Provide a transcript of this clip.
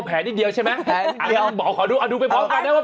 แผลนิกเดียวใช่ไหมเอาหนูไปบอกก่อนว่าแผลเป็นไง